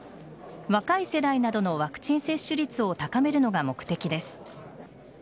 若い世代などのワクチン接種率を高めるのが目的です。